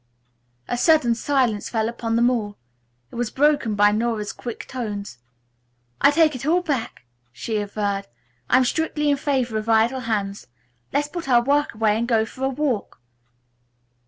A sudden silence fell upon them all. It was broken by Nora's quick tones. "I'll take it all back," she averred. "I'm strictly in favor of idle hands. Let's put our work away and go for a walk!"